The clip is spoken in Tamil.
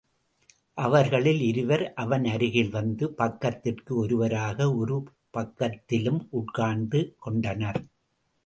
அவர்களில் இருவர் அவன் அருகில் வந்து பக்கத்திற்கு ஒருவராக ஒரு பக்கத்திலும் உட்கார்ந்து கொண்டனர்.